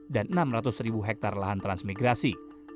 dan enam ratus ribu hektare lahan transmigrasi